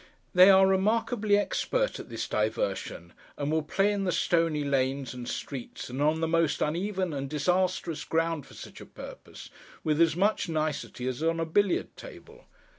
They are remarkably expert at this diversion, and will play in the stony lanes and streets, and on the most uneven and disastrous ground for such a purpose, with as much nicety as on a billiard table.